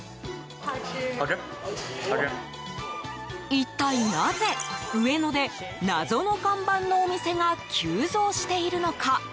一体なぜ、上野で謎の看板のお店が急増しているのか。